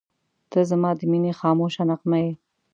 • ته زما د مینې خاموشه نغمه یې.